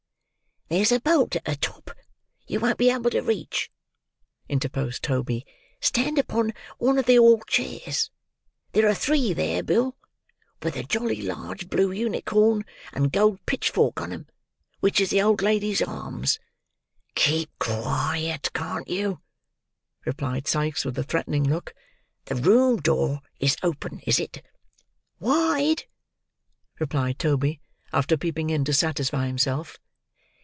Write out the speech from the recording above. "There's a bolt at the top, you won't be able to reach," interposed Toby. "Stand upon one of the hall chairs. There are three there, Bill, with a jolly large blue unicorn and gold pitchfork on 'em: which is the old lady's arms." "Keep quiet, can't you?" replied Sikes, with a threatening look. "The room door is open, is it?" "Wide," replied Toby, after peeping in to satisfy himself.